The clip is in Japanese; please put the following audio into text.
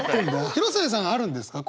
広末さんあるんですか？